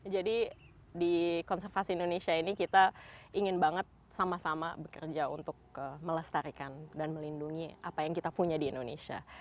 jadi di konservasi indonesia ini kita ingin banget sama sama bekerja untuk melestarikan dan melindungi apa yang kita punya di indonesia